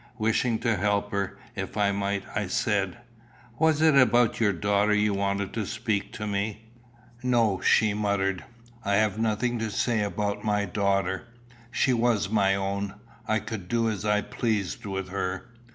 Wishing to help her, if I might, I said "Was it about your daughter you wanted to speak to me?" "No," she muttered. "I have nothing to say about my daughter. She was my own. I could do as I pleased with her."